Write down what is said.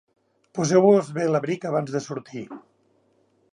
Poseu-vos bé l'abric abans de sortir.